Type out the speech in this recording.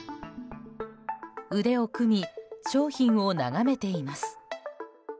腕を組み、商品を眺めています。